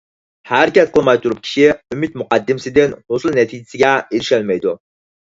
ھەرىكەت قىلماي تۇرۇپ كىشى ئۈمىد مۇقەددىمىسىدىن ھوسۇل نەتىجىسىگە ئېرىشەلمەيدۇ.